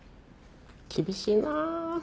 厳しいなあ。